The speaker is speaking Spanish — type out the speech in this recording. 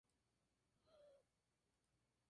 Cursó sus primeras letras en su ciudad natal.